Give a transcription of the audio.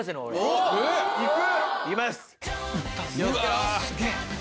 ・いく？